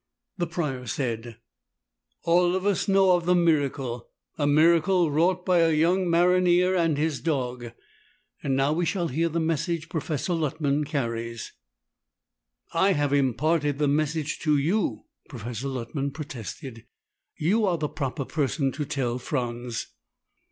The Prior said, "All of us know of the miracle, a miracle wrought by a young maronnier and his dog. Now we shall hear the message Professor Luttman carries." "I have imparted the message to you," Professor Luttman protested. "You are the proper person to tell Franz."